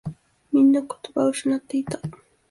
みんな言葉を失っていた。